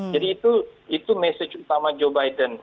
jadi itu message utama joe biden